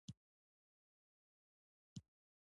له بهرنیو کلیمو دې ډډه وسي.